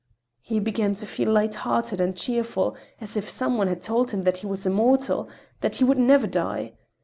'" He began to feel light hearted and cheerful, as if some one had told him that he was immortal, that he would never die.